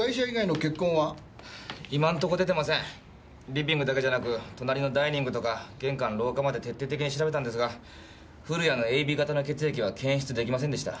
リビングだけじゃなく隣のダイニングとか玄関・廊下まで徹底的に調べたんですが古谷のＡＢ型の血液は検出できませんでした